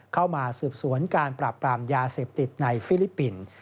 เข้ามาสืบสวนการปราบปรามยาเสพติดในฟิลิปปินส์